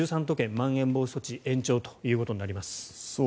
１３都県、まん延防止措置が延長ということになります。